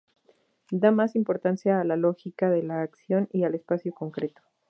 Da más importancia a la lógica de la acción y al espacio concreto.